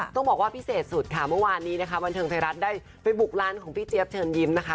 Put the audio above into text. ต้องบอกว่าพิเศษสุดค่ะเมื่อวานนี้นะคะบันเทิงไทยรัฐได้ไปบุกร้านของพี่เจี๊ยบเชิญยิ้มนะคะ